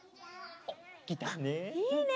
いいね！